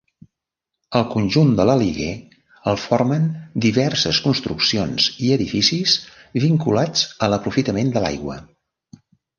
El conjunt de l'Aliguer el formen diverses construccions i edificis vinculats a l'aprofitament de l'aigua.